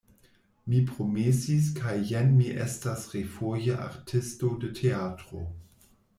Mi promesis kaj jen mi estas refoje artisto de teatro.